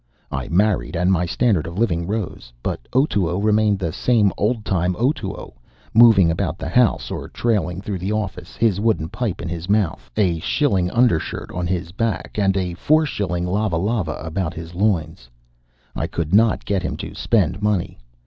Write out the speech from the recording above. I married, and my standard of living rose; but Otoo remained the same old time Otoo, moving about the house or trailing through the office, his wooden pipe in his mouth, a shilling undershirt on his back, and a four shilling lava lava about his loins. I could not get him to spend money.